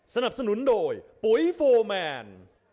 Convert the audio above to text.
สนับสนุนโดยปุ๋ยโฟร์แมน